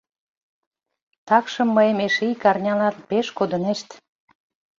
Такшым мыйым эше ик арнялан пеш кодынешт.